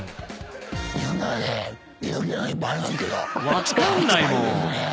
分かんないもん！